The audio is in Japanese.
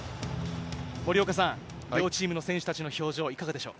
森岡さん、両チームの選手たちの表情、いかがでしょう。